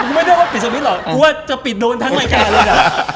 ไม่ได้ว่าปิดสวิตชหรอกกูว่าจะปิดโดนทั้งรายการเลยจ้ะ